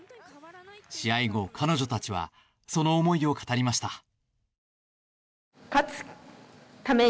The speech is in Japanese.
試合後、彼女たちはその思いを語りました。